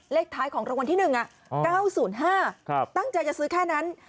เลขท้ายของรางวัลที่หนึ่งอ่ะเก้าศูนย์ห้าครับตั้งใจจะซื้อแค่นั้น